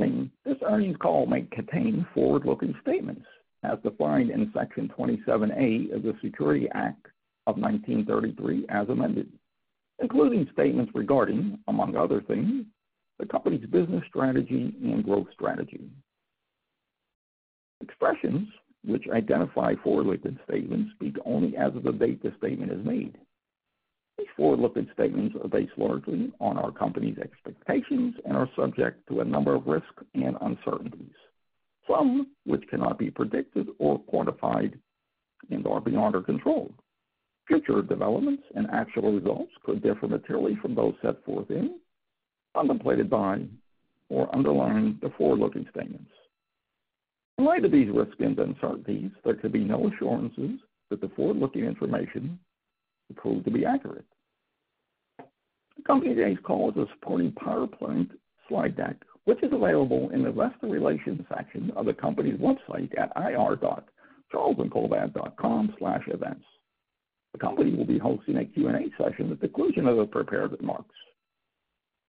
Good morning. This earnings call may contain forward-looking statements as defined in Section 27A of the Securities Act of 1933 as amended, including statements regarding, among other things, the company's business strategy and growth strategy. Expressions which identify forward-looking statements speak only as of the date the statement is made. These forward-looking statements are based largely on our company's expectations and are subject to a number of risks and uncertainties, some of which cannot be predicted or quantified and are beyond our control. Future developments and actual results could differ materially from those set forth in, contemplated by, or underlying the forward-looking statements. In light of these risks and uncertainties, there could be no assurances that the forward-looking information will prove to be accurate. The company's call today is supported by a PowerPoint slide deck, which is available in the Investor Relations section of the company's website at ir.charlesandcolvard.com/events. The company will be hosting a Q and A session at the conclusion of the prepared remarks.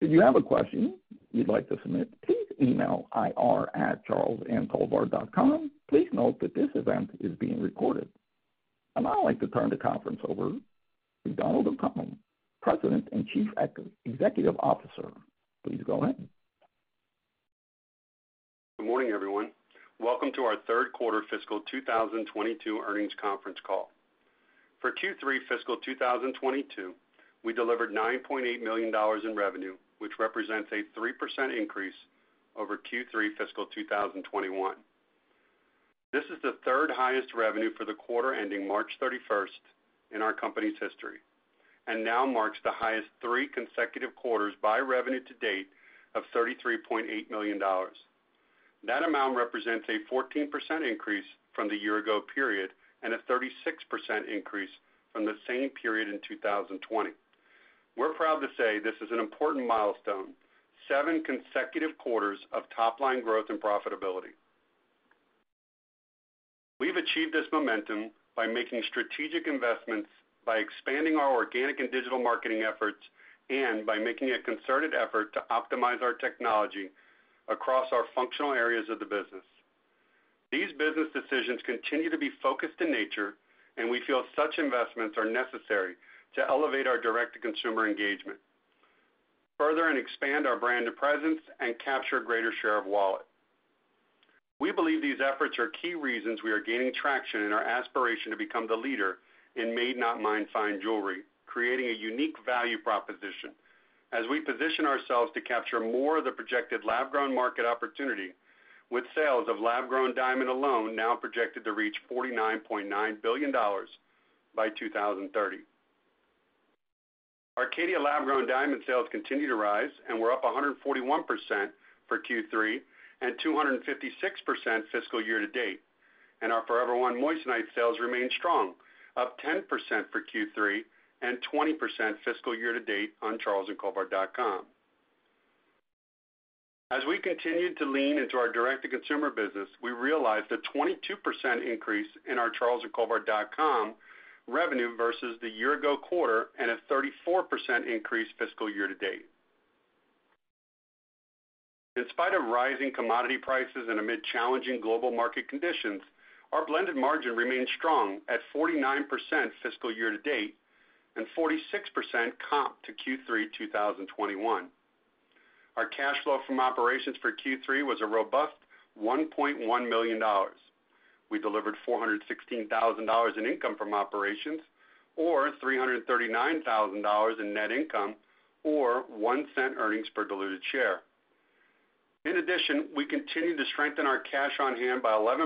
If you have a question you'd like to submit, please email ir@charlesandcolvard.com. Please note that this event is being recorded. I'd like to turn the conference over to Donald O'Connell, President and Chief Executive Officer. Please go ahead. Good morning, everyone. Welcome to our third quarter fiscal 2022 earnings conference call. For Q3 fiscal 2022, we delivered $9.8 million in revenue, which represents a 3% increase over Q3 fiscal 2021. This is the third-highest revenue for the quarter ending March 31st in our company's history, and now marks the highest three consecutive quarters by revenue to date of $33.8 million. That amount represents a 14% increase from the year ago period and a 36% increase from the same period in 2020. We're proud to say this is an important milestone, seven consecutive quarters of top-line growth and profitability. We've achieved this momentum by making strategic investments, by expanding our organic and digital marketing efforts, and by making a concerted effort to optimize our technology across our functional areas of the business. These business decisions continue to be focused in nature, and we feel such investments are necessary to elevate our direct-to-consumer engagement further and expand our brand presence and capture a greater share of wallet. We believe these efforts are key reasons we are gaining traction in our aspiration to become the leader in made-not-mined fine jewelry, creating a unique value proposition as we position ourselves to capture more of the projected lab-grown market opportunity with sales of lab-grown diamond alone now projected to reach $49.9 billion by 2030. Caydia lab-grown diamond sales continue to rise and we're up 141% for Q3 and 256% fiscal year to date. Our Forever One moissanite sales remain strong, up 10% for Q3 and 20% fiscal year to date on charlesandcolvard.com. As we continued to lean into our direct-to-consumer business, we realized a 22% increase in our charlesandcolvard.com revenue versus the year ago quarter and a 34% increase fiscal year to date. In spite of rising commodity prices and amid challenging global market conditions, our blended margin remains strong at 49% fiscal year to date and 46% comp to Q3 2021. Our cash flow from operations for Q3 was a robust $1.1 million. We delivered $416,000 in income from operations or $339,000 in net income or $0.01 earnings per diluted share. In addition, we continue to strengthen our cash on hand by 11%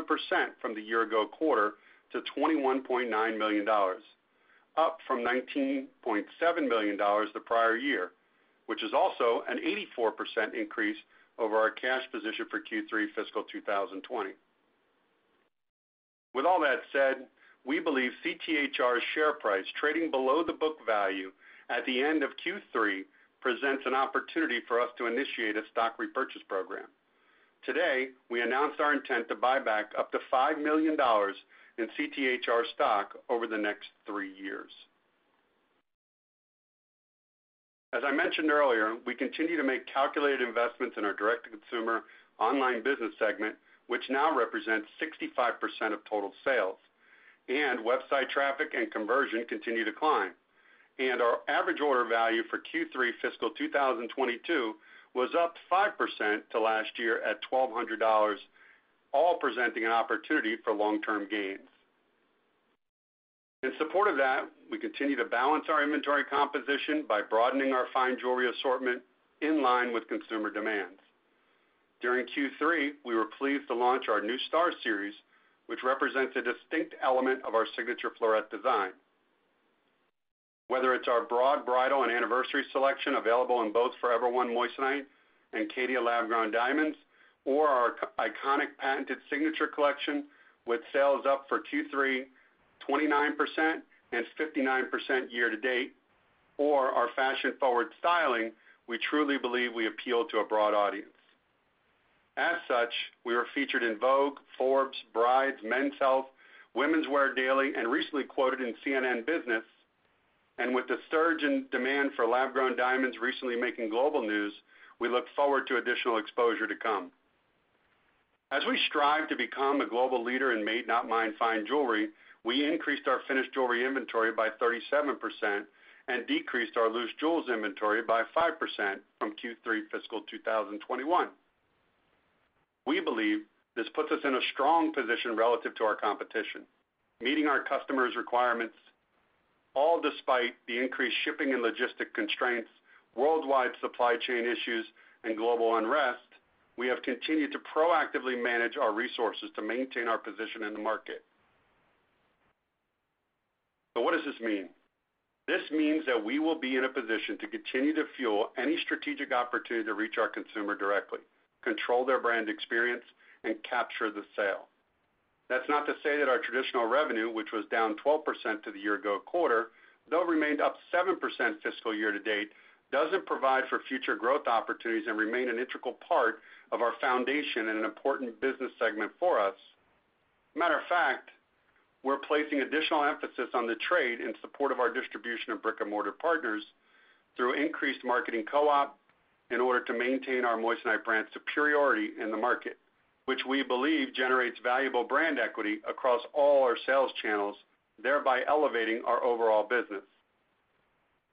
from the year ago quarter to $21.9 million, up from $19.7 million the prior year, which is also an 84% increase over our cash position for Q3 fiscal 2020. With all that said, we believe CTHR's share price trading below the book value at the end of Q3 presents an opportunity for us to initiate a stock repurchase program. Today, we announced our intent to buy back up to $5 million in CTHR stock over the next three years. As I mentioned earlier, we continue to make calculated investments in our direct-to-consumer online business segment, which now represents 65% of total sales and website traffic and conversion continue to climb. Our average order value for Q3 fiscal 2022 was up 5% to last year at $1,200, all presenting an opportunity for long-term gains. In support of that, we continue to balance our inventory composition by broadening our fine jewelry assortment in line with consumer demands. During Q3, we were pleased to launch our new Signature Star, which represents a distinct element of our Signature Floret design. Whether it's our broad bridal and anniversary selection available in both Forever One moissanite and Caydia lab-grown diamonds or our iconic patented Signature Collection, which sales up for Q3, 29% and it's 59% year to date, or our fashion-forward styling, we truly believe we appeal to a broad audience. As such, we are featured in Vogue, Forbes, Brides, Men's Health, Women's Wear Daily, and recently quoted in CNN Business. With the surge in demand for lab grown diamonds recently making global news, we look forward to additional exposure to come. As we strive to become a global leader in made not mined fine jewelry, we increased our finished jewelry inventory by 37% and decreased our loose jewels inventory by 5% from Q3 fiscal 2021. We believe this puts us in a strong position relative to our competition, meeting our customers' requirements, all despite the increased shipping and logistical constraints, worldwide supply chain issues and global unrest, we have continued to proactively manage our resources to maintain our position in the market. What does this mean? This means that we will be in a position to continue to fuel any strategic opportunity to reach our consumer directly, control their brand experience and capture the sale. That's not to say that our traditional revenue, which was down 12% to the year ago quarter, though remained up 7% fiscal year to date, doesn't provide for future growth opportunities and remain an integral part of our foundation and an important business segment for us. Matter of fact, we're placing additional emphasis on the trade in support of our distribution of brick-and-mortar partners through increased marketing co-op in order to maintain our Moissanite brand superiority in the market, which we believe generates valuable brand equity across all our sales channels, thereby elevating our overall business.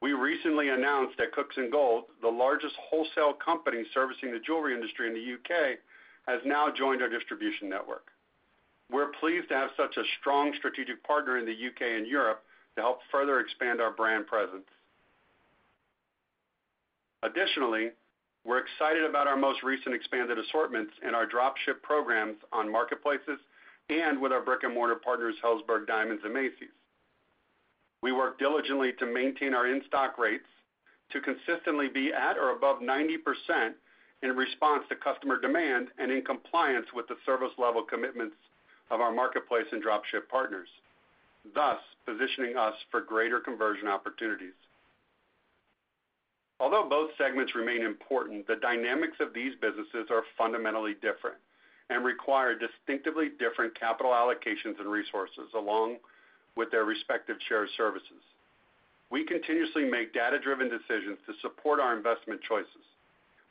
We recently announced that Cooksongold, the largest wholesale company servicing the jewelry industry in the UK, has now joined our distribution network. We're pleased to have such a strong strategic partner in the UK and Europe to help further expand our brand presence. Additionally, we're excited about our most recent expanded assortments in our drop ship programs on marketplaces and with our brick-and-mortar partners, Helzberg Diamonds and Macy's. We work diligently to maintain our in-stock rates to consistently be at or above 90% in response to customer demand and in compliance with the service level commitments of our marketplace and drop ship partners, thus positioning us for greater conversion opportunities. Although both segments remain important, the dynamics of these businesses are fundamentally different and require distinctively different capital allocations and resources, along with their respective shared services. We continuously make data driven decisions to support our investment choices,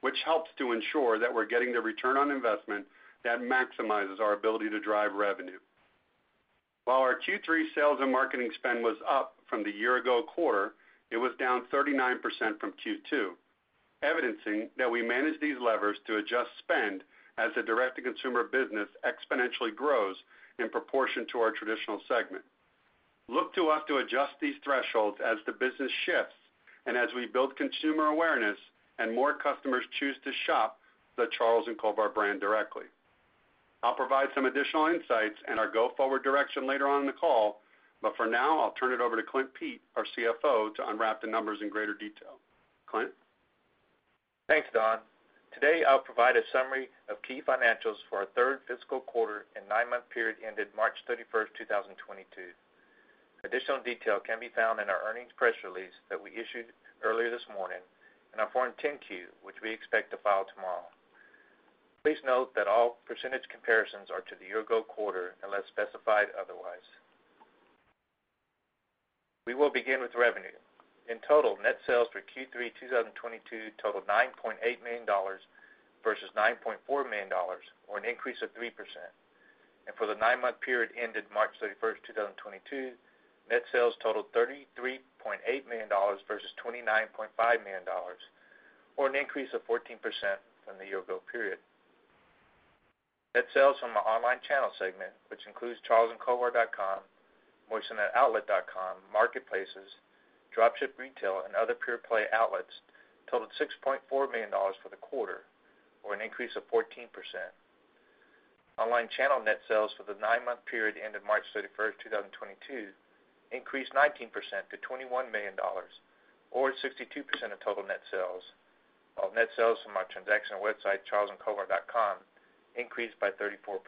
which helps to ensure that we're getting the return on investment that maximizes our ability to drive revenue. While our Q3 sales and marketing spend was up from the year ago quarter, it was down 39% from Q2, evidencing that we manage these levers to adjust spend as the direct to consumer business exponentially grows in proportion to our traditional segment. Look to us to adjust these thresholds as the business shifts and as we build consumer awareness and more customers choose to shop the Charles & Colvard brand directly. I'll provide some additional insights and our go forward direction later on in the call, but for now I'll turn it over to Clint Pete, our CFO, to unwrap the numbers in greater detail. Clint? Thanks, Don. Today, I'll provide a summary of key financials for our third fiscal quarter and nine-month period ended March 31st, 2022. Additional detail can be found in our earnings press release that we issued earlier this morning and our Form 10-Q, which we expect to file tomorrow. Please note that all percentage comparisons are to the year ago quarter unless specified otherwise. We will begin with revenue. In total, net sales for Q3 2022 totaled $9.8 million versus $9.4 million, or an increase of 3%. For the nine-month period ended March 31st, 2022, net sales totaled $33.8 million versus $29.5 million, or an increase of 14% from the year ago period. Net sales from the online channel segment, which includes charlesandcolvard.com, moissaniteoutlet.com, marketplaces, drop ship retail and other pure play outlets totaled $6.4 million for the quarter, or an increase of 14%. Online channel net sales for the nine-month period ended March 31st, 2022 increased 19% to $21 million or 62% of total net sales. While net sales from our transactional website, charlesandcolvard.com, increased by 34%.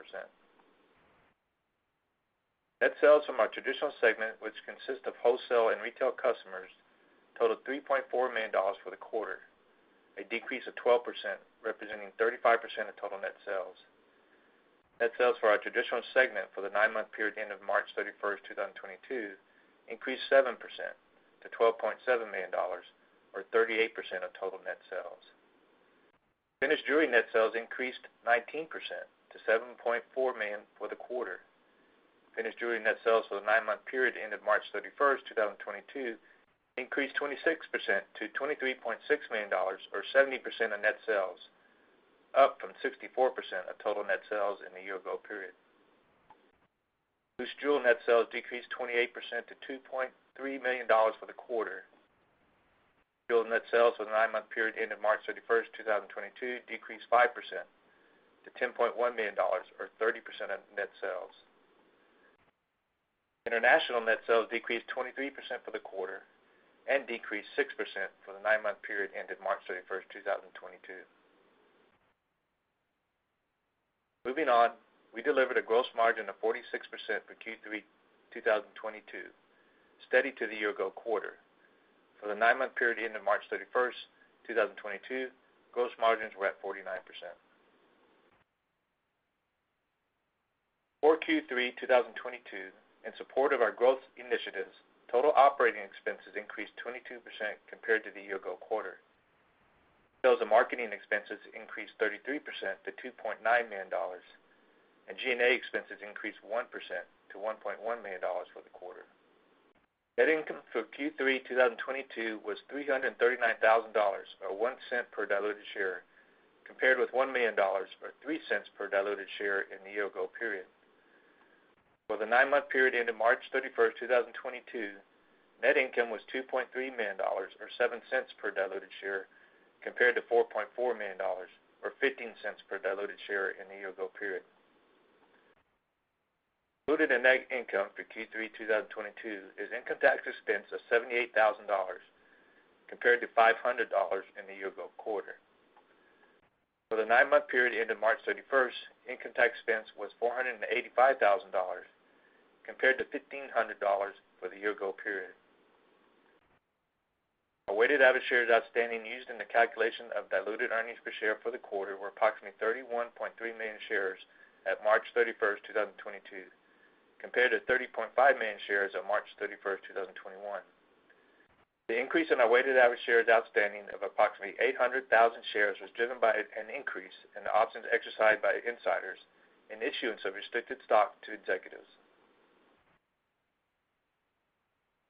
Net sales from our traditional segment, which consists of wholesale and retail customers, totaled $3.4 million for the quarter, a decrease of 12%, representing 35% of total net sales. Net sales for our traditional segment for the nine-month period ended March 31st, 2022 increased 7% to $12.7 million, or 38% of total net sales. Finished jewelry net sales increased 19% to $7.4 million for the quarter. Finished jewelry net sales for the nine-month period ended March 31st, 2022 increased 26% to $23.6 million, or 70% of net sales, up from 64% of total net sales in the year ago period. Loose jewel net sales decreased 28% to $2.3 million for the quarter. Jewel net sales for the nine-month period ended March 31st, 2022 decreased 5% to $10.1 million, or 30% of net sales. International net sales decreased 23% for the quarter and decreased 6% for the nine-month period ended March 31st, 2022. Moving on, we delivered a gross margin of 46% for Q3 2022, steady to the year ago quarter. For the nine-month period into March 31st, 2022, gross margins were at 49%. For Q3 2022, in support of our growth initiatives, total operating expenses increased 22% compared to the year-ago quarter. Sales and marketing expenses increased 33% to $2.9 million, and G&A expenses increased 1% to $1.1 million for the quarter. Net income for Q3 2022 was $339,000, or $0.01 per diluted share, compared with $1 million, or $0.03 per diluted share in the year-ago period. For the nine-month period ending March 31st, 2022, net income was $2.3 million, or $0.07 per diluted share, compared to $4.4 million, or $0.15 per diluted share in the year-ago period. Diluted net income for Q3 2022 is income tax expense of $78,000 compared to $500 in the year-ago quarter. For the nine-month period ending March 31st, 2022, income tax expense was $485,000 compared to $1,500 for the year-ago period. A weighted average shares outstanding used in the calculation of diluted earnings per share for the quarter were approximately 31.3 million shares at March 31st, 2022, compared to 30.5 million shares at March 31st, 2021. The increase in our weighted average shares outstanding of approximately 800,000 shares was driven by an increase in the options exercised by insiders and issuance of restricted stock to executives.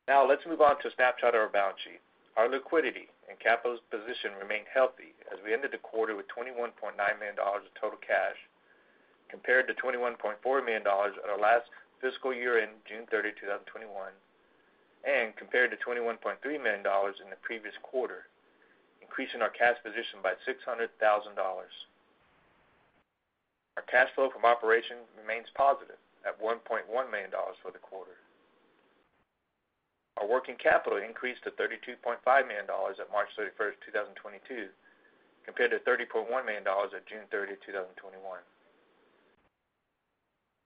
Now let's move on to a snapshot of our balance sheet. Our liquidity and capital position remained healthy as we ended the quarter with $21.9 million of total cash compared to $21.4 million at our last fiscal year-end, June 30th, 2021, and compared to $21.3 million in the previous quarter, increasing our cash position by $600,000. Our cash flow from operations remains positive at $1.1 million for the quarter. Our working capital increased to $32.5 million at March 31st, 2022, compared to $30.1 million at June 30th, 2021.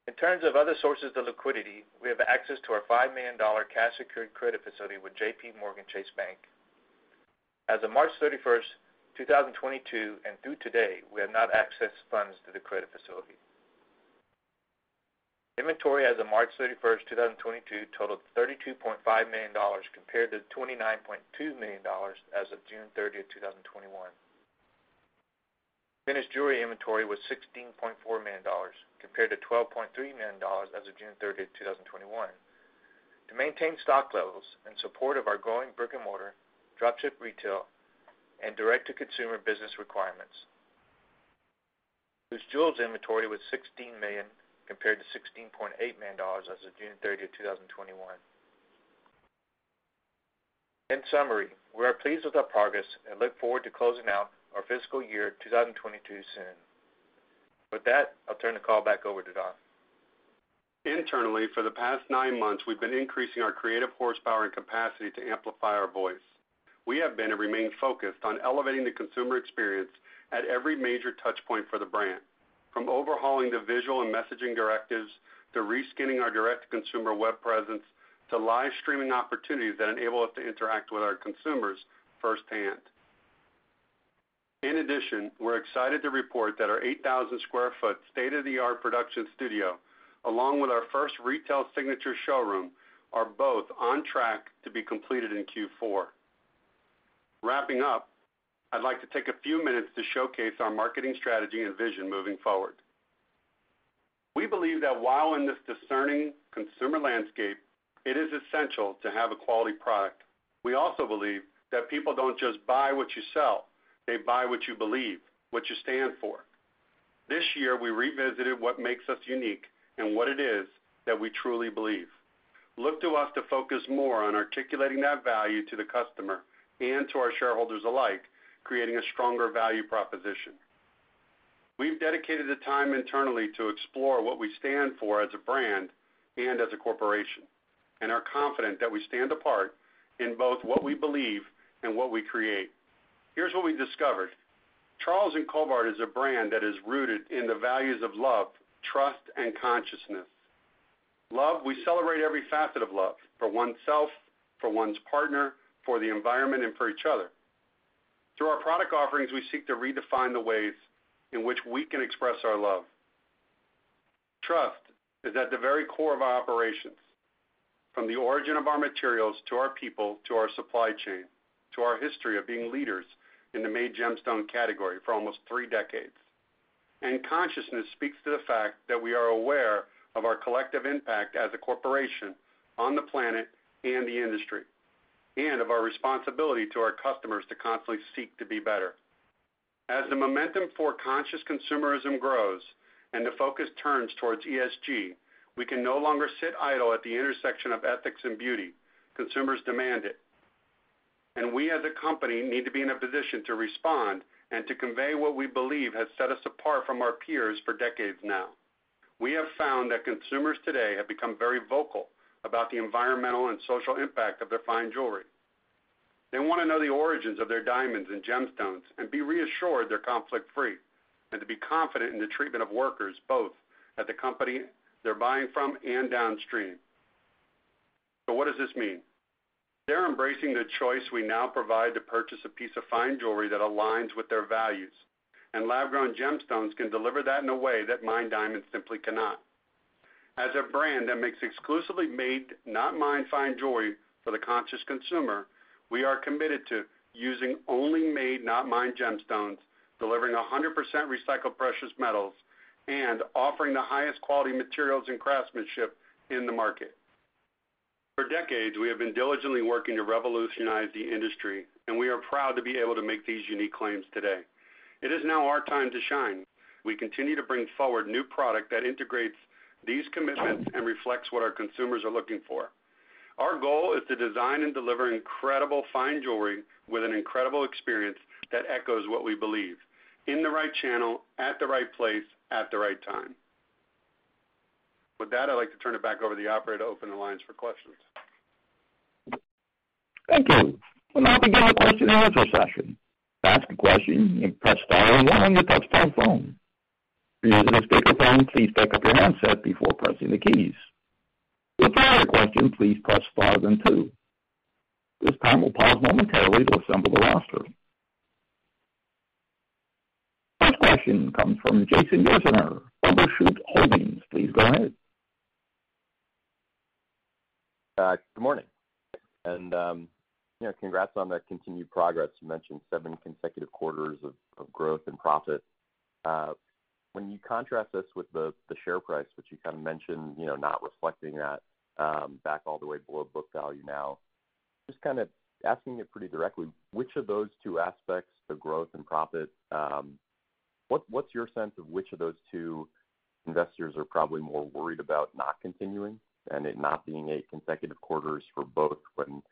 In terms of other sources of liquidity, we have access to our $5 million cash secured credit facility with JPMorgan Chase Bank. As of March 31st, 2022, and through today, we have not accessed funds from the credit facility. Inventory as of March 31st, 2022 totaled $32.5 million compared to $29.2 million as of June 30th, 2021. Finished jewelry inventory was $16.4 million compared to $12.3 million as of June 30th, 2021. To maintain stock levels in support of our growing brick-and-mortar, drop ship retail, and direct-to-consumer business requirements. Loose jewels inventory was $16 million compared to $16.8 million as of June 30th, 2021. In summary, we are pleased with our progress and look forward to closing out our fiscal year 2022 soon. With that, I'll turn the call back over to Don. Internally, for the past nine months, we've been increasing our creative horsepower and capacity to amplify our voice. We have been and remain focused on elevating the consumer experience at every major touch point for the brand, from overhauling the visual and messaging directives, to reskinning our direct-to-consumer web presence, to live streaming opportunities that enable us to interact with our consumers firsthand. In addition, we're excited to report that our 8,000 sq ft state-of-the-art production studio, along with our first retail signature showroom, are both on track to be completed in Q4. Wrapping up, I'd like to take a few minutes to showcase our marketing strategy and vision moving forward. We believe that while in this discerning consumer landscape, it is essential to have a quality product, we also believe that people don't just buy what you sell, they buy what you believe, what you stand for. This year, we revisited what makes us unique and what it is that we truly believe. Look to us to focus more on articulating that value to the customer and to our shareholders alike, creating a stronger value proposition. We've dedicated the time internally to explore what we stand for as a brand and as a corporation, and are confident that we stand apart in both what we believe and what we create. Here's what we discovered. Charles & Colvard is a brand that is rooted in the values of love, trust, and consciousness. Love, we celebrate every facet of love, for oneself, for one's partner, for the environment, and for each other. Through our product offerings, we seek to redefine the ways in which we can express our love. Trust is at the very core of our operations, from the origin of our materials, to our people, to our supply chain, to our history of being leaders in the made gemstone category for almost three decades. Consciousness speaks to the fact that we are aware of our collective impact as a corporation on the planet and the industry, and of our responsibility to our customers to constantly seek to be better. As the momentum for conscious consumerism grows and the focus turns towards ESG, we can no longer sit idle at the intersection of ethics and beauty. Consumers demand it. We as a company need to be in a position to respond and to convey what we believe has set us apart from our peers for decades now. We have found that consumers today have become very vocal about the environmental and social impact of their fine jewelry. They want to know the origins of their diamonds and gemstones and be reassured they're conflict-free, and to be confident in the treatment of workers both at the company they're buying from and downstream. What does this mean? They're embracing the choice we now provide to purchase a piece of fine jewelry that aligns with their values, and lab-grown gemstones can deliver that in a way that mined diamonds simply cannot. As a brand that makes exclusively made, not mined fine jewelry for the conscious consumer, we are committed to using only made, not mined gemstones, delivering 100% recycled precious metals, and offering the highest quality materials and craftsmanship in the market. For decades, we have been diligently working to revolutionize the industry, and we are proud to be able to make these unique claims today. It is now our time to shine. We continue to bring forward new product that integrates these commitments and reflects what our consumers are looking for. Our goal is to design and deliver incredible fine jewelry with an incredible experience that echoes what we believe in the right channel, at the right place, at the right time. With that, I'd like to turn it back over to the operator to open the lines for questions. Thank you. We'll now begin the question-and-answer session. To ask a question, you may press star one on your touchtone phone. If you're using a speakerphone, please pick up your handset before pressing the keys. To withdraw your question, please press star then two. At this time, we'll pause momentarily to assemble the roster. First question comes from Jason Bazinet, BMO Shoot Holdings. Please go ahead. Good morning. You know, congrats on that continued progress. You mentioned seven consecutive quarters of growth and profit. When you contrast this with the share price, which you kind of mentioned, you know, not reflecting that back all the way below book value now. Just kinda asking it pretty directly, which of those two aspects, the growth and profit, what's your sense of which of those two investors are probably more worried about not continuing and it not being consecutive quarters for both when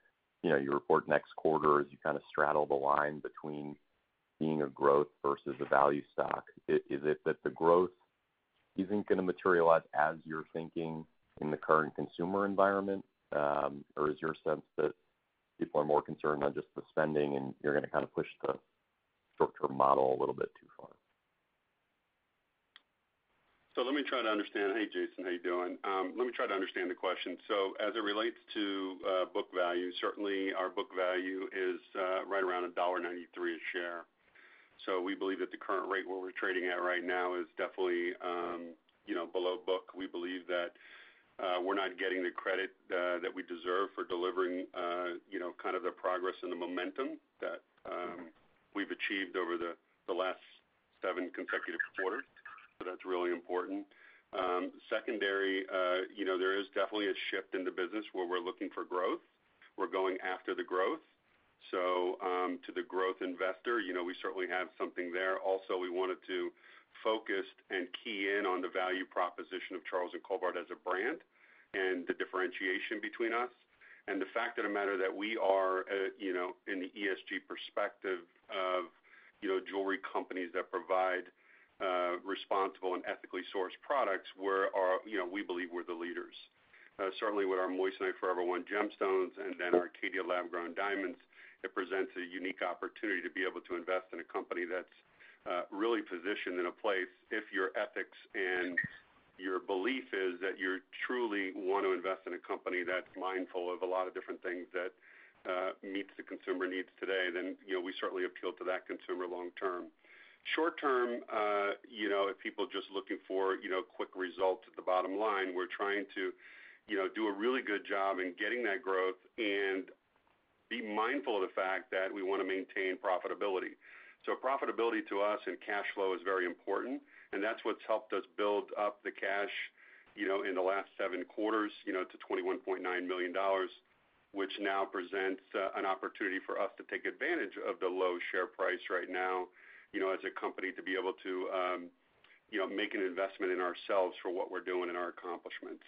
you know, you report next quarter as you kinda straddle the line between being a growth versus a value stock? Is it that the growth isn't gonna materialize as you're thinking in the current consumer environment? Is your sense that people are more concerned on just the spending, and you're gonna kinda push the short-term model a little bit too far? Let me try to understand. Hey, Jason, how you doing? Let me try to understand the question. As it relates to book value, certainly our book value is right around $1.93 a share. We believe that the current rate where we're trading at right now is definitely you know below book. We believe that we're not getting the credit that we deserve for delivering you know kind of the progress and the momentum that we've achieved over the last seven consecutive quarters. That's really important. Secondary, you know, there is definitely a shift in the business where we're looking for growth. We're going after the growth. To the growth investor, you know, we certainly have something there. Also, we wanted to focus and key in on the value proposition of Charles & Colvard as a brand and the differentiation between us. The fact of the matter that we are you know in the ESG perspective of you know jewelry companies that provide responsible and ethically sourced products, you know we believe we're the leaders. Certainly with our moissanite Forever One gemstones and then our Caydia lab-grown diamonds, it presents a unique opportunity to be able to invest in a company that's really positioned in a place if your ethics and your belief is that you truly want to invest in a company that's mindful of a lot of different things that meets the consumer needs today, then you know we certainly appeal to that consumer long term. Short term, you know, if people are just looking for, you know, quick results at the bottom line, we're trying to, you know, do a really good job in getting that growth and be mindful of the fact that we wanna maintain profitability. Profitability to us and cash flow is very important, and that's what's helped us build up the cash, you know, in the last seven quarters, you know, to $21.9 million, which now presents an opportunity for us to take advantage of the low share price right now, you know, as a company to be able to, you know, make an investment in ourselves for what we're doing and our accomplishments.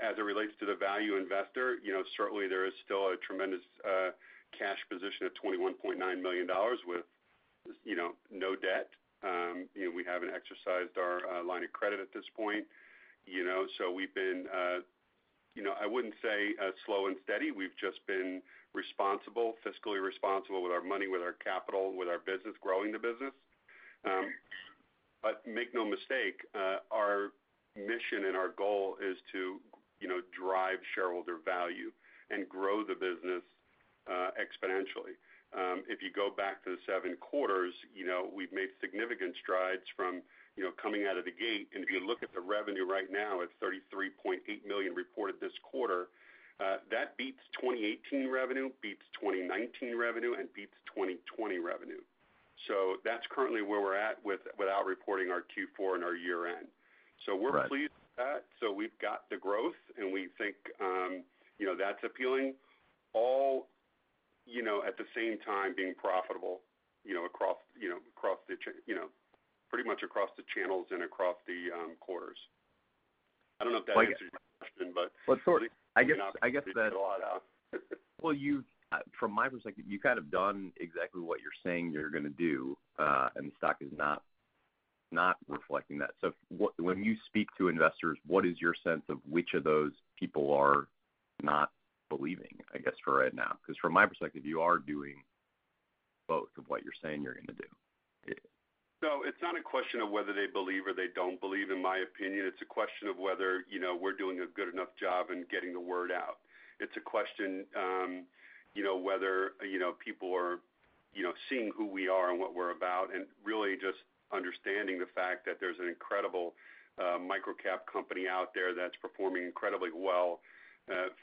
As it relates to the value investor, you know, certainly there is still a tremendous cash position of $21.9 million with, you know, no debt. You know, we haven't exercised our line of credit at this point. You know, we've been, you know, I wouldn't say slow and steady. We've just been responsible, fiscally responsible with our money, with our capital, with our business, growing the business. But make no mistake, our mission and our goal is to, you know, drive shareholder value and grow the business exponentially. If you go back to the seven quarters, you know, we've made significant strides from, you know, coming out of the gate. If you look at the revenue right now at $33.8 million reported this quarter, that beats 2018 revenue, beats 2019 revenue, and beats 2020 revenue. That's currently where we're at without reporting our Q4 and our year-end. Right. We're pleased with that. We've got the growth, and we think, you know, that's appealing, you know, at the same time being profitable, you know, across, you know, pretty much across the channels and across the quarters. I don't know if that answers your question, but. Well, sort of. I guess that. Did I leave a lot out? Well, from my perspective, you've kind of done exactly what you're saying you're gonna do, and the stock is not reflecting that. When you speak to investors, what is your sense of which of those people are not believing, I guess, for right now? Because from my perspective, you are doing both of what you're saying you're gonna do. No, it's not a question of whether they believe or they don't believe, in my opinion. It's a question of whether, you know, we're doing a good enough job in getting the word out. It's a question, you know, whether, you know, people are, you know, seeing who we are and what we're about, and really just understanding the fact that there's an incredible, microcap company out there that's performing incredibly well.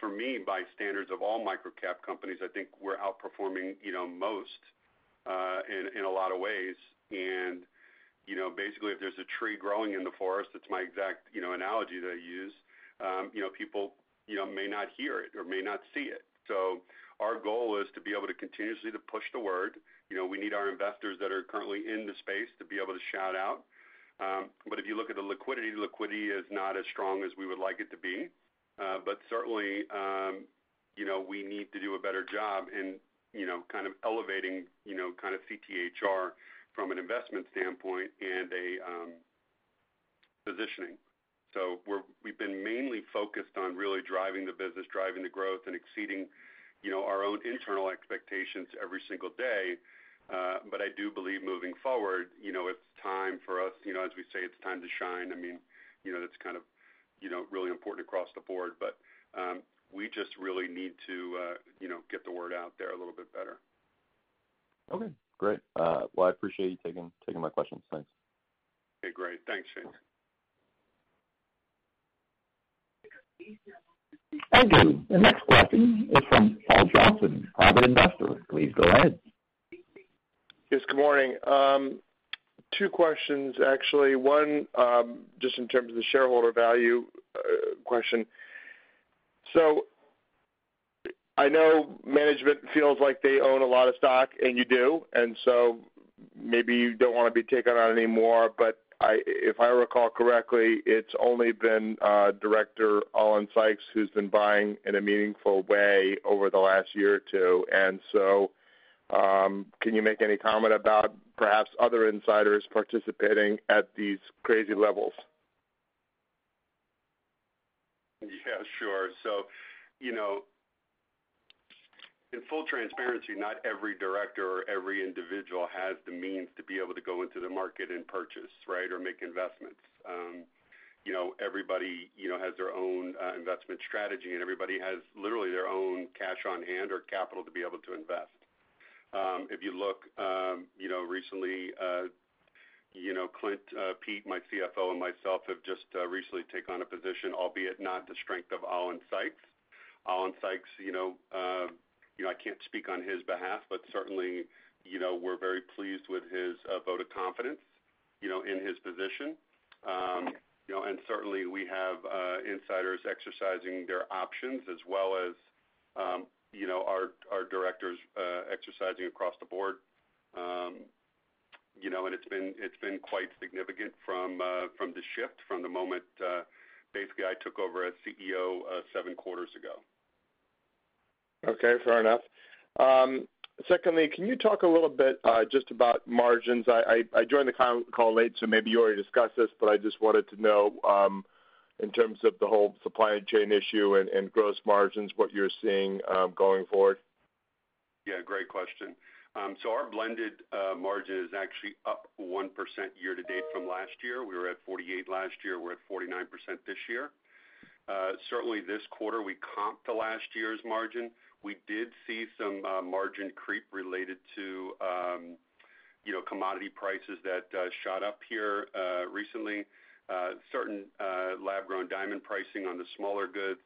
For me, by standards of all microcap companies, I think we're outperforming, you know, most, in a lot of ways. You know, basically, if there's a tree growing in the forest, that's my exact, you know, analogy that I use, you know, people, you know, may not hear it or may not see it. Our goal is to be able to continuously to push the word. You know, we need our investors that are currently in the space to be able to shout out. If you look at the liquidity is not as strong as we would like it to be. Certainly, you know, we need to do a better job in, you know, kind of elevating, you know, kind of CTHR from an investment standpoint and a positioning. We've been mainly focused on really driving the business, driving the growth, and exceeding, you know, our own internal expectations every single day. I do believe moving forward, you know, it's time for us, you know, as we say, it's time to shine. I mean, you know, that's kind of, you know, really important across the board. We just really need to, you know, get the word out there a little bit better. Okay, great. Well, I appreciate you taking my questions. Thanks. Okay, great. Thanks, Jason Bazinet. Thank you. The next question is from Paul Johnson, Private Investor. Please go ahead. Yes, good morning. Two questions actually. One, just in terms of the shareholder value question. I know management feels like they own a lot of stock, and you do, and so maybe you don't wanna be taken out anymore. If I recall correctly, it's only been Director Allen Sikes who's been buying in a meaningful way over the last year or two. Can you make any comment about perhaps other insiders participating at these crazy levels? Yeah, sure. You know, in full transparency, not every director or every individual has the means to be able to go into the market and purchase, right, or make investments. You know, everybody, you know, has their own, investment strategy, and everybody has literally their own cash on hand or capital to be able to invest. If you look, you know, recently, you know, Clint Pete, my CFO and myself have just, recently taken on a position, albeit not the strength of Allen Sikes. Allen Sikes, you know, you know, I can't speak on his behalf, but certainly, you know, we're very pleased with his, vote of confidence, you know, in his position. You know, and certainly we have, insiders exercising their options as well as, you know, our directors, exercising across the board. You know, it's been quite significant from the shift from the moment basically I took over as CEO seven quarters ago. Okay, fair enough. Secondly, can you talk a little bit just about margins? I joined the conference call late, so maybe you already discussed this, but I just wanted to know in terms of the whole supply chain issue and gross margins, what you're seeing going forward. Yeah, great question. So our blended margin is actually up 1% year to date from last year. We were at 48% last year. We're at 49% this year. Certainly this quarter, we comped the last year's margin. We did see some margin creep related to, you know, commodity prices that shot up here recently. Certain lab-grown diamond pricing on the smaller goods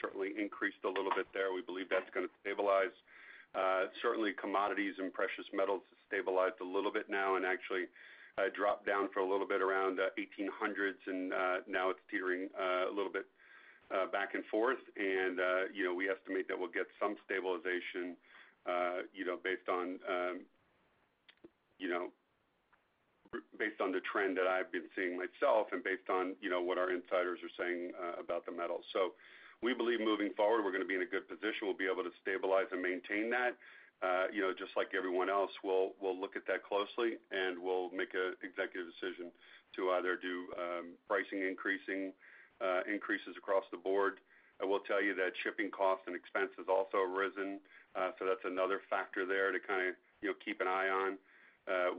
certainly increased a little bit there. We believe that's gonna stabilize. Certainly commodities and precious metals have stabilized a little bit now and actually dropped down for a little bit around the $1,800s, and now it's teetering a little bit back and forth. You know, we estimate that we'll get some stabilization, you know, based on the trend that I've been seeing myself and based on, you know, what our insiders are saying about the metal. We believe moving forward, we're gonna be in a good position. We'll be able to stabilize and maintain that. You know, just like everyone else, we'll look at that closely, and we'll make an executive decision to either do pricing increases across the board. I will tell you that shipping costs and expenses also have risen, so that's another factor there to kinda, you know, keep an eye on.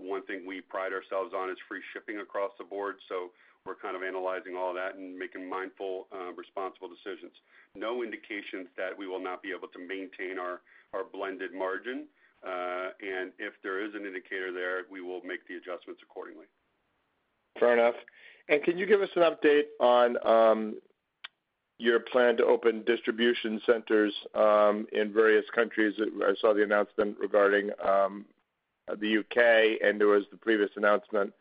One thing we pride ourselves on is free shipping across the board, so we're kind of analyzing all that and making mindful, responsible decisions. No indications that we will not be able to maintain our blended margin. If there is an indicator there, we will make the adjustments accordingly. Fair enough. Can you give us an update on your plan to open distribution centers in various countries? I saw the announcement regarding the UK, and there was the previous announcement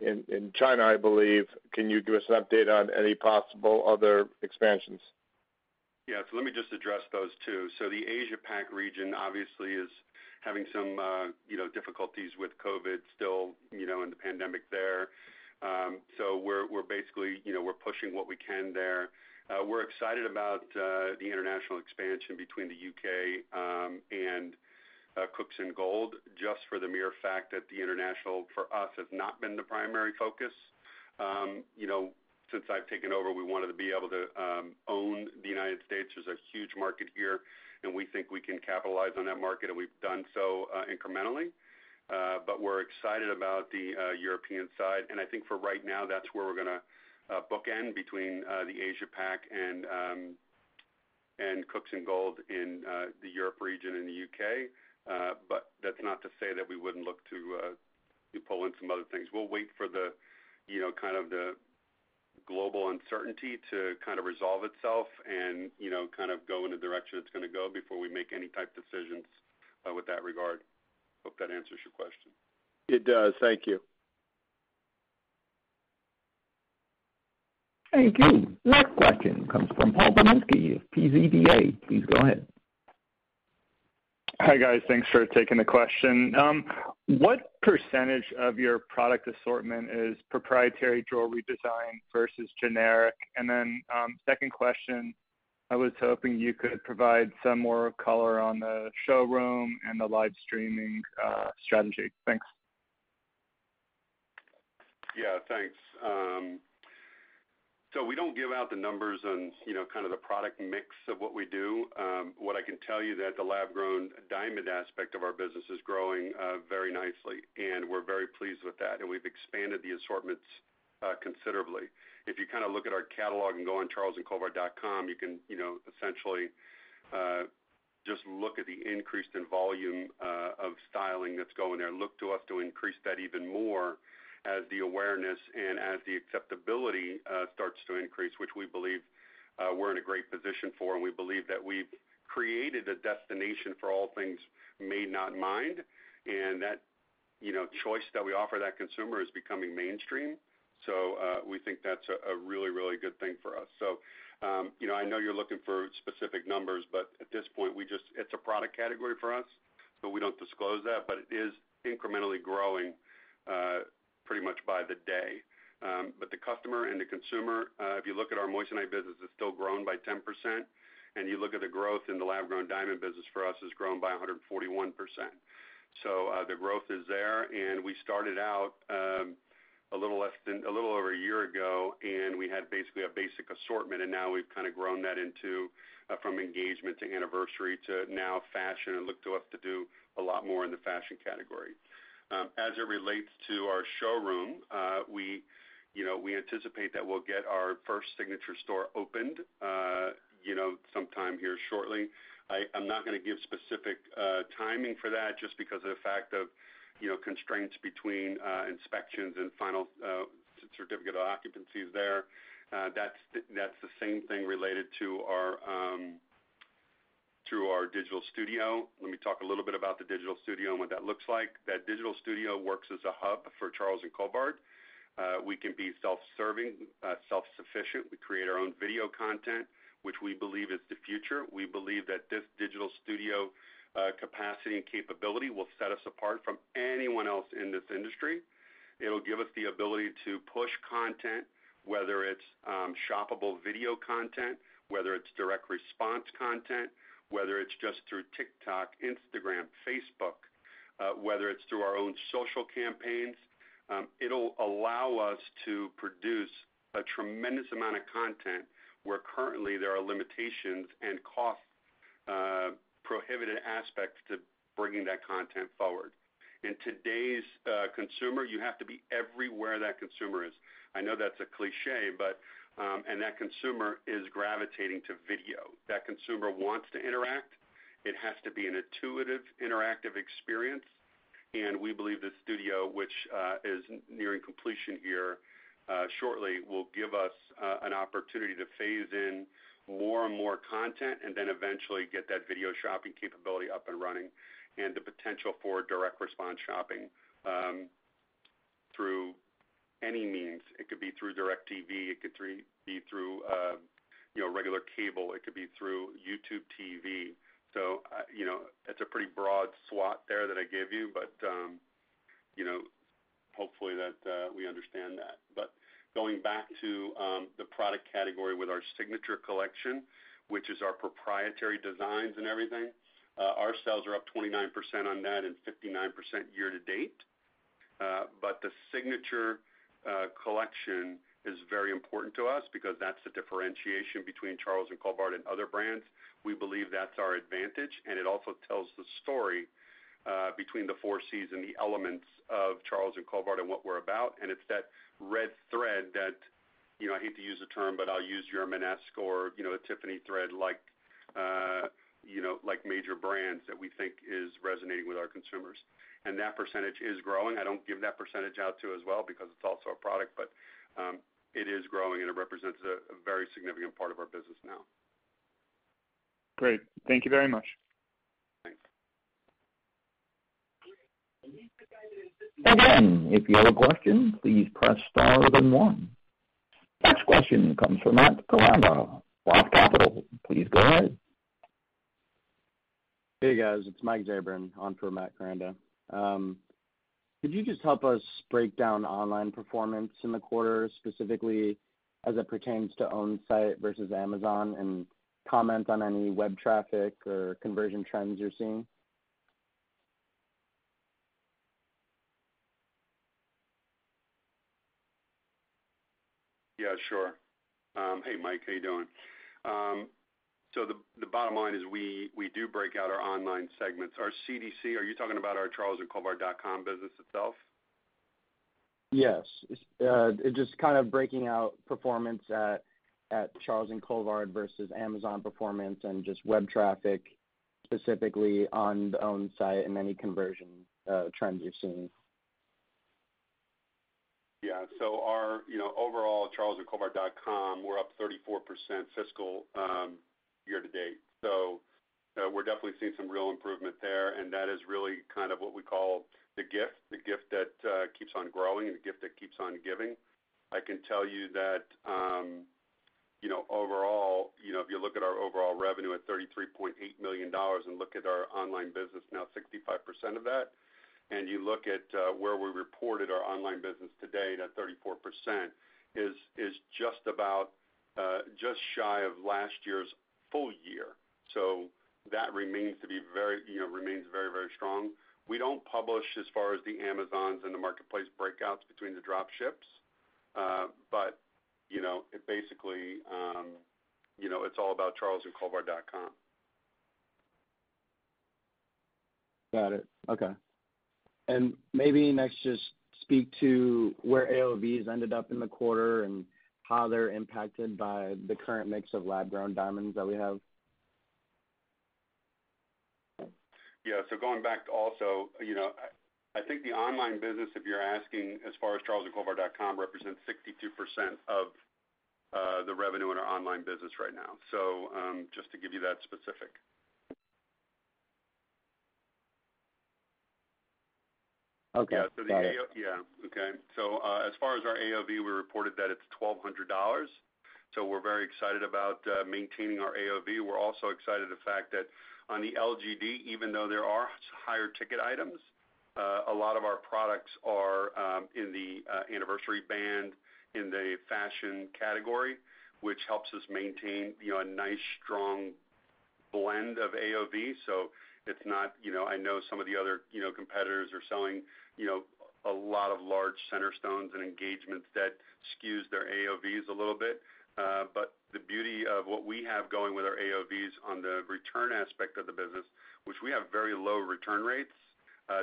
in China, I believe. Can you give us an update on any possible other expansions? Yeah. Let me just address those two. The Asia Pac region obviously is having some, you know, difficulties with COVID still, you know, and the pandemic there. We're basically, you know, we're pushing what we can there. We're excited about the international expansion between the UK and Cooksongold just for the mere fact that the international for us has not been the primary focus. You know, since I've taken over, we wanted to be able to own the United States. There's a huge market here, and we think we can capitalize on that market, and we've done so incrementally. We're excited about the European side. I think for right now, that's where we're gonna bookend between the Asia Pac and Cooksongold in the Europe region and the UK. But that's not to say that we wouldn't look to pull in some other things. We'll wait for the you know kind of the global uncertainty to kind of resolve itself and you know kind of go in the direction it's gonna go before we make any type of decisions with that regard. Hope that answers your question. It does. Thank you. Thank you. Next question comes from Paul Zimnisky of PZDA. Please go ahead. Hi, guys. Thanks for taking the question. What percentage of your product assortment is proprietary jewelry design versus generic? Second question, I was hoping you could provide some more color on the showroom and the live streaming strategy. Thanks. Yeah, thanks. So we don't give out the numbers and, you know, kind of the product mix of what we do. What I can tell you that the lab-grown diamond aspect of our business is growing, very nicely, and we're very pleased with that, and we've expanded the assortments, considerably. If you kind of look at our catalog and go on charlesandcolvard.com, you can, you know, essentially, just look at the increase in volume, of styling that's going there. Look to us to increase that even more as the awareness and as the acceptability, starts to increase, which we believe, we're in a great position for. We believe that we've created a destination for all things made, not mined, and that, you know, choice that we offer that consumer is becoming mainstream. We think that's a really good thing for us. You know, I know you're looking for specific numbers, but at this point, it's a product category for us, so we don't disclose that, but it is incrementally growing pretty much by the day. The customer and the consumer, if you look at our moissanite business, it's still growing by 10%. You look at the growth in the lab-grown diamond business for us, it's grown by 141%. The growth is there. We started out a little over a year ago, and we had basically a basic assortment, and now we've kind of grown that into from engagement to anniversary to now fashion and look to us to do a lot more in the fashion category. As it relates to our showroom, we, you know, anticipate that we'll get our first signature store opened, you know, sometime here shortly. I'm not gonna give specific timing for that just because of the fact of, you know, constraints between inspections and final certificate of occupancies there. That's the same thing related to our to our digital studio. Let me talk a little bit about the digital studio and what that looks like. That digital studio works as a hub for Charles & Colvard. We can be self-serving, self-sufficient. We create our own video content, which we believe is the future. We believe that this digital studio, capacity and capability will set us apart from anyone else in this industry. It'll give us the ability to push content, whether it's shoppable video content, whether it's direct response content, whether it's just through TikTok, Instagram, Facebook, whether it's through our own social campaigns. It'll allow us to produce a tremendous amount of content where currently there are limitations and cost, prohibited aspects to bringing that content forward. In today's consumer, you have to be everywhere that consumer is. I know that's a cliché. That consumer is gravitating to video. That consumer wants to interact. It has to be an intuitive, interactive experience. We believe the studio, which is nearing completion here shortly, will give us an opportunity to phase in more and more content and then eventually get that video shopping capability up and running and the potential for direct response shopping through any means. It could be through DirecTV. It could be through regular cable. It could be through YouTube TV. That's a pretty broad swath there that I gave you, but hopefully we understand that. Going back to the product category with our Signature Collection, which is our proprietary designs and everything, our sales are up 29% on that and 59% year to date. The Signature Collection is very important to us because that's the differentiation between Charles & Colvard and other brands. We believe that's our advantage, and it also tells the story between the four Cs and the elements of Charles & Colvard and what we're about. It's that red thread that, you know, I hate to use the term, but I'll use your mantra or, you know, a Tiffany thread like, you know, like major brands that we think is resonating with our consumers. That percentage is growing. I don't give that percentage out too as well because it's also a product, but it is growing, and it represents a very significant part of our business now. Great. Thank you very much. Thanks. Again, if you have a question, please press star then one. Next question comes from Matthew Koranda, Roth Capital Partners. Please go ahead. Hey, guys. It's Mike Zabran on for Matthew Koranda. Could you just help us break down online performance in the quarter, specifically as it pertains to own site versus Amazon, and comment on any web traffic or conversion trends you're seeing? Yeah, sure. Hey, Mike, how you doing? The bottom line is we do break out our online segments. Our C&C, are you talking about our charlesandcolvard.com business itself? Yes. It just kind of breaking out performance at Charles & Colvard versus Amazon performance and just web traffic, specifically on the own site and any conversion trends you're seeing. Yeah. Our, you know, overall Charles & Colvard.com, we're up 34% fiscal year-to-date. We're definitely seeing some real improvement there, and that is really kind of what we call the gift that keeps on growing and the gift that keeps on giving. I can tell you that, you know, overall, you know, if you look at our overall revenue at $33.8 million and look at our online business, now 65% of that, and you look at where we reported our online business today, that 34% is just about just shy of last year's full year. That remains very, very strong. We don't publish as far as the Amazon's and the marketplace breakouts between the drop ships. you know, it basically, you know, it's all about charlesandcolvard.com. Got it. Okay. Maybe next, just speak to where AOV's ended up in the quarter and how they're impacted by the current mix of lab-grown diamonds that we have. Going back to also, you know, I think the online business, if you're asking, as far as charlesandcolvard.com, represents 62% of the revenue in our online business right now. Just to give you that specific. Okay. Yeah. The AOV- Got it. Yeah. Okay. As far as our AOV, we reported that it's $1,200, so we're very excited about maintaining our AOV. We're also excited the fact that on the LGD, even though there are higher ticket items, a lot of our products are in the anniversary band in the fashion category, which helps us maintain, you know, a nice, strong blend of AOV. It's not, you know, I know some of the other, you know, competitors are selling, you know, a lot of large center stones and engagements that skews their AOVs a little bit. But the beauty of what we have going with our AOVs on the return aspect of the business, which we have very low return rates,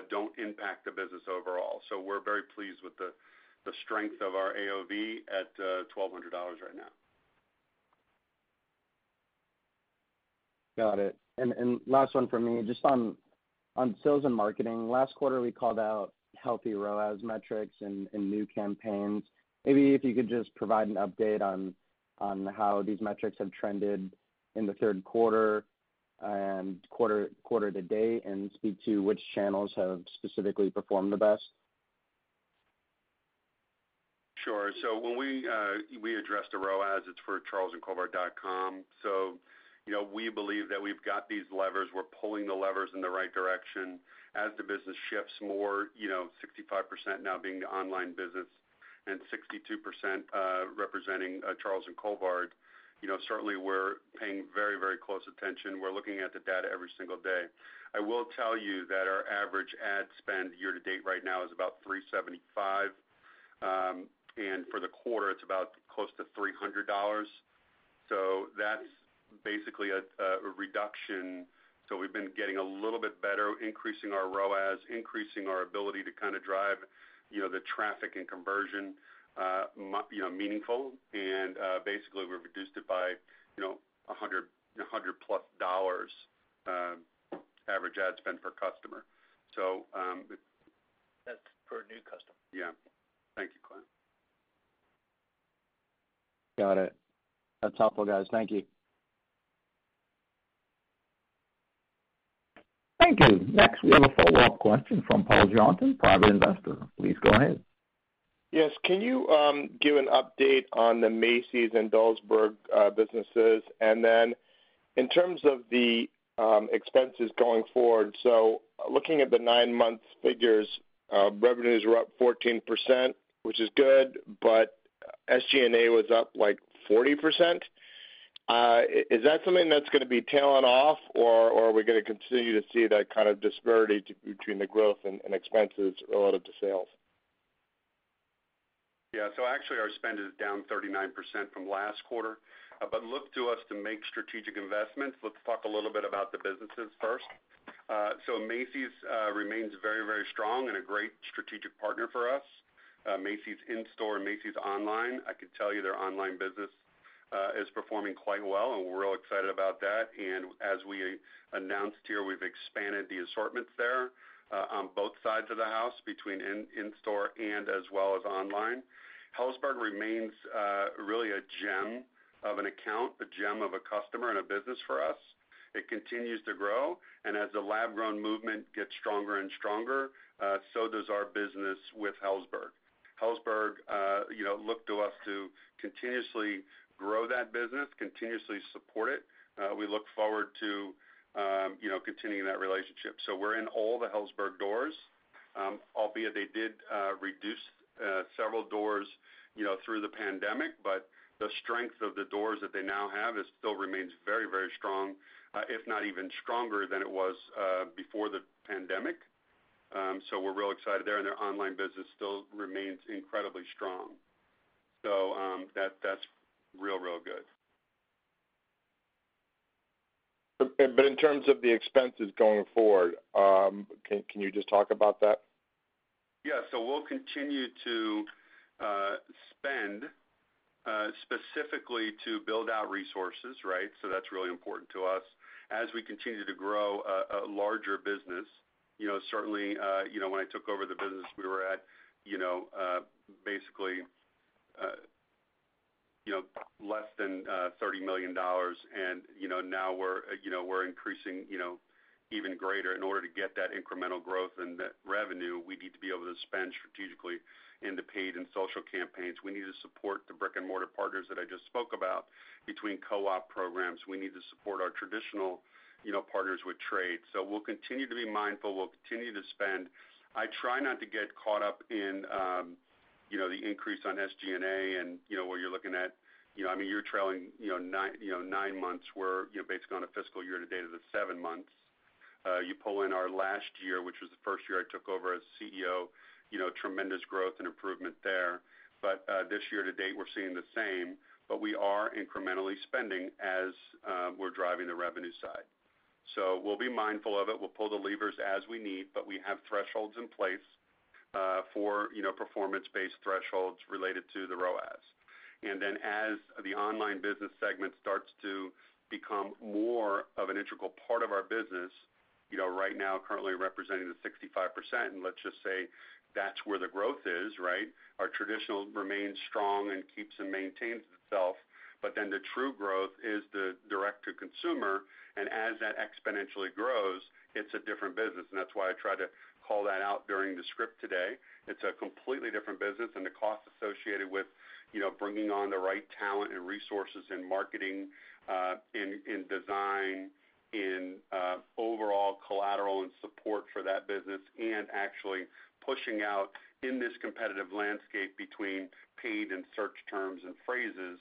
don't impact the business overall. We're very pleased with the strength of our AOV at $1,200 right now. Got it. Last one for me, just on sales and marketing. Last quarter, we called out healthy ROAS metrics and new campaigns. Maybe if you could just provide an update on how these metrics have trended in the third quarter and quarter to date, and speak to which channels have specifically performed the best. Sure. When we address the ROAS, it's for charlesandcolvard.com. You know, we believe that we've got these levers. We're pulling the levers in the right direction. As the business shifts more, you know, 65% now being the online business and 62% representing Charles & Colvard, you know, certainly we're paying very, very close attention. We're looking at the data every single day. I will tell you that our average ad spend year-to-date right now is about $375. And for the quarter, it's about close to $300. That's basically a reduction. We've been getting a little bit better, increasing our ROAS, increasing our ability to kinda drive, you know, the traffic and conversion, you know, meaningful. Basically, we've reduced it by, you know, $100+ dollars, average ad spend per customer. That's per new customer? Yeah. Thank you, Clint. Got it. That's helpful, guys. Thank you. Thank you. Next, we have a follow-up question from Paul Johnson, Private Investor. Please go ahead. Yes. Can you give an update on the Macy's and Helzberg businesses? In terms of the expenses going forward, so looking at the nine-month figures, revenues were up 14%, which is good, but SG&A was up, like, 40%. Is that something that's gonna be tailing off, or are we gonna continue to see that kind of disparity between the growth and expenses relative to sales? Yeah. Actually, our spend is down 39% from last quarter. Look to us to make strategic investments. Let's talk a little bit about the businesses first. Macy's remains very, very strong and a great strategic partner for us. Macy's in-store, Macy's online, I could tell you their online business is performing quite well, and we're real excited about that. As we announced here, we've expanded the assortments there on both sides of the house between in-store and as well as online. Helzberg remains really a gem of an account, a gem of a customer and a business for us. It continues to grow, and as the lab-grown movement gets stronger and stronger, so does our business with Helzberg. Helzberg, you know, look to us to continuously grow that business, continuously support it. We look forward to, you know, continuing that relationship. We're in all the Helzberg doors, albeit they did reduce several doors, you know, through the pandemic, but the strength of the doors that they now have still remains very, very strong, if not even stronger than it was before the pandemic. We're real excited there, and their online business still remains incredibly strong. That's real good. In terms of the expenses going forward, can you just talk about that? Yeah. We'll continue to spend specifically to build out resources, right? That's really important to us. As we continue to grow a larger business, you know, certainly, you know, when I took over the business, we were at, you know, basically, you know, less than $30 million and, you know, now we're, you know, we're increasing, you know, even greater. In order to get that incremental growth and the revenue, we need to be able to spend strategically into paid and social campaigns. We need to support the brick-and-mortar partners that I just spoke about between co-op programs. We need to support our traditional, you know, partners with trade. We'll continue to be mindful. We'll continue to spend. I try not to get caught up in, you know, the increase on SG&A and, you know, what you're looking at. You know, I mean, you're trailing, you know, nine months. We're, you know, basically on a fiscal year to date of the seven months. You pull in our last year, which was the first year I took over as CEO, you know, tremendous growth and improvement there. This year to date, we're seeing the same, but we are incrementally spending as, we're driving the revenue side. We'll be mindful of it. We'll pull the levers as we need, but we have thresholds in place, for, you know, performance-based thresholds related to the ROAS. As the online business segment starts to become more of an integral part of our business, you know, right now currently representing the 65%, and let's just say that's where the growth is, right? Our traditional remains strong and keeps and maintains itself, but then the true growth is the direct to consumer and as that exponentially grows, it's a different business. That's why I try to call that out during the script today. It's a completely different business and the cost associated with, you know, bringing on the right talent and resources in marketing, in design, in overall collateral and support for that business and actually pushing out in this competitive landscape between paid and search terms and phrases,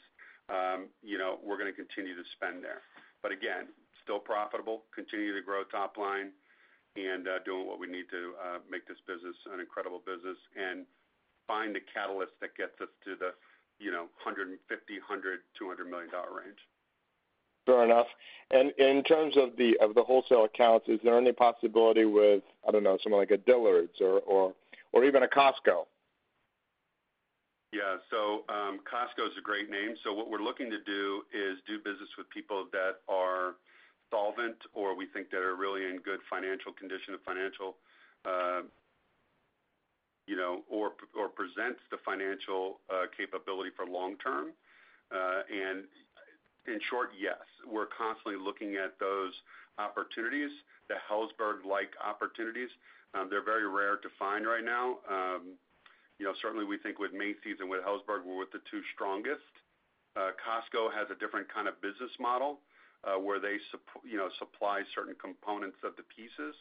you know, we're gonna continue to spend there. Again, still profitable, continue to grow top line, and doing what we need to make this business an incredible business and find the catalyst that gets us to the, you know, $150 million, $100 million, $200 million dollar range. Fair enough. In terms of the wholesale accounts, is there any possibility with, I don't know, someone like a Dillard's or even a C? Yeah. Costco is a great name. What we're looking to do is do business with people that are solvent or we think that are really in good financial condition, you know, or presents the financial capability for long term. In short, yes, we're constantly looking at those opportunities, the Helzberg-like opportunities. They're very rare to find right now. You know, certainly we think with Macy's and with Helzberg, we're with the two strongest. Costco has a different kind of business model, where they supply certain components of the pieces.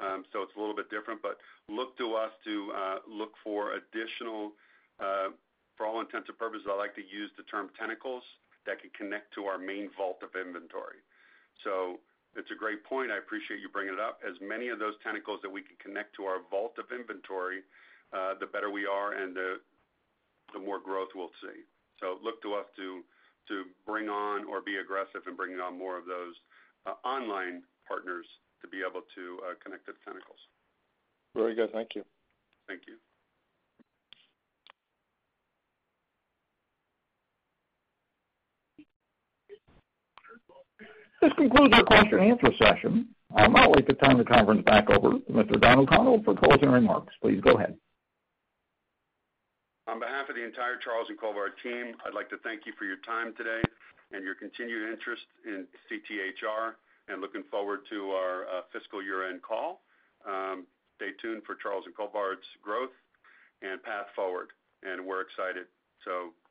It's a little bit different. Look to us to look for additional, for all intents and purposes, I like to use the term tentacles that can connect to our main vault of inventory. It's a great point. I appreciate you bringing it up. As many of those tentacles that we can connect to our vault of inventory, the better we are and the more growth we'll see. Look to us to bring on or be aggressive in bringing on more of those online partners to be able to connect the tentacles. Very good. Thank you. Thank you. This concludes our question and answer session. I'd like to turn the conference back over to Mr. Don O'Connell for closing remarks. Please go ahead. On behalf of the entire Charles & Colvard team, I'd like to thank you for your time today and your continued interest in CTHR and looking forward to our fiscal year-end call. Stay tuned for Charles & Colvard's growth and path forward. We're excited, so thank you.